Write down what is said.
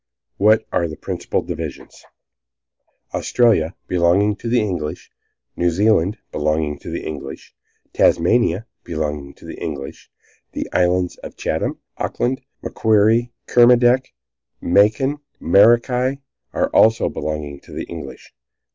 What are the principal divisions?" "Australia, belonging to the English; New Zealand, belonging to the English; Tasmania, belonging to the English. The islands of Chatham, Auckland, Macquarie, Kermadec, Makin, Maraki, are also belonging to the English."